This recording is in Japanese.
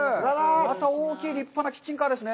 また大きい立派なキッチンカーですね。